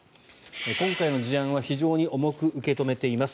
今回の事案は非常に重く受け止めています